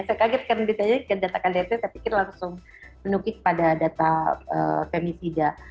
saya kaget karena data kdrt saya pikir langsung menukik pada data femisida